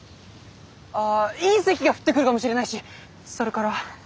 あ隕石が降ってくるかもしれないしそれからそれから。